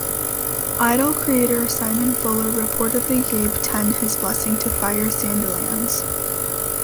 Idol creator Simon Fuller reportedly gave Ten his blessing to fire Sandilands.